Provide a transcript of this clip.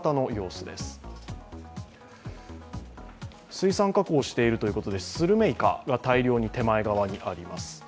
水産加工しているということでスルメイカが大量に手前側にあります。